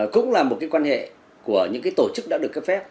cũng là một quan hệ của những tổ chức đã được cấp phép